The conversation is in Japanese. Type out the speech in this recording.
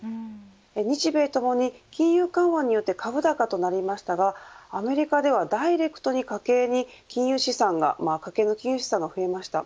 日米ともに金融緩和によって株高となりましたがアメリカではダイレクトに家計に金融資産が増えました。